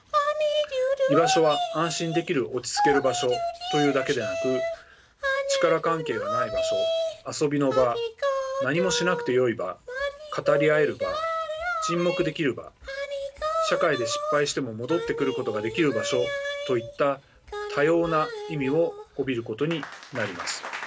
居場所は安心できる落ち着ける場所というだけでなく力関係がない場所遊びの場何もしなくてよい場語り合える場沈黙できる場社会で失敗しても戻ってくることができる場所といった多様な意味を帯びることになります。